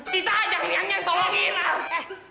kita ajak yang tolong irang